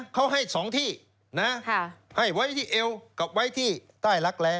เขาให้๒ที่นะให้ไว้ที่เอวกับไว้ที่ใต้รักแร้